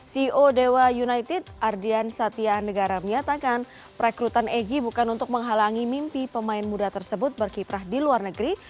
ceo dewa united ardian satya negara menyatakan perekrutan egy bukan untuk menghalangi mimpi pemain muda tersebut berkiprah di luar negeri